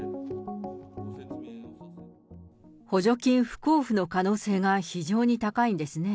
補助金不交付の可能性が非常に高いんですね。